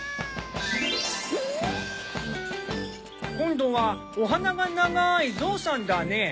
今度はお鼻が長いゾウさんだね。